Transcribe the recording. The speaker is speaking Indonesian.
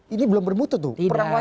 ini belum bermutu tuh